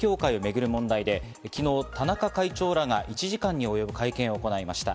かつての統一教会をめぐる問題で、昨日、田中会長らが１時間に及ぶ会見を行いました。